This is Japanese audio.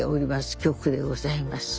曲でございます。